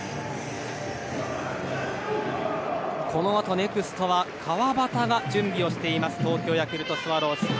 このあとネクストは川端が準備をしています東京ヤクルトスワローズ。